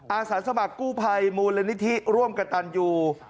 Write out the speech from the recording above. อาสาสมัครกู้ภัยมูลนิธิร่วมกับตันยู